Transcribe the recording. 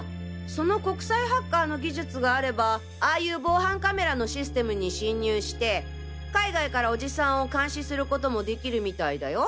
その国際ハッカーの技術があればああいう防犯カメラのシステムに侵入して海外からおじさんを監視することも出来るみたいだよ。